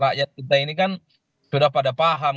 rakyat kita ini kan sudah pada paham